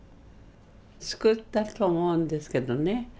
救ったと思うんですけどね。